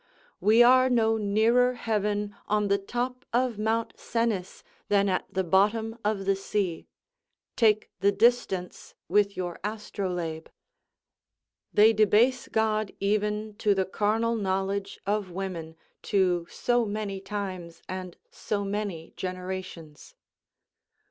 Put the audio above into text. We are no nearer heaven on the top of Mount Cenis than at the bottom of the sea; take the distance with your astrolabe. They debase God even to the carnal knowledge of women, to so many times, and so many generations.